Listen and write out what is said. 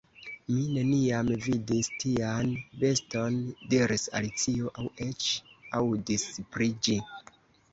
"Mi neniam vidis tian beston," diris Alicio, "aŭ eĉ aŭdis pri ĝi."